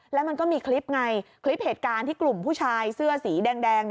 แล้วมันก็มีคลิปไงคลิปเหตุการณ์ที่กลุ่มผู้ชายเสื้อสีแดง